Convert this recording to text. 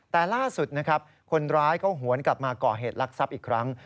แต่ล่าสุดคนร้ายก็หวนกลับมาก่อเหตุลักษณ์ทรัพย์อีกครั้ง